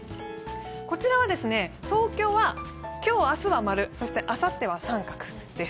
こちらは東京は今日、明日は○、そしてあさっては△です。